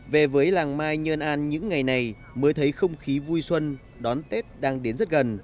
về với làng mai nhơn an những ngày này mới thấy không khí vui xuân đón tết đang đến rất gần